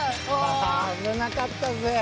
あぶなかったぜ！